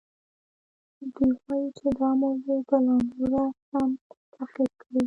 دوی وایي چې دا موضوع به لا نوره هم تعقیب کړي.